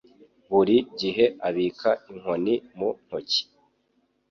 Buri gihe abika inkoni mu ntoki.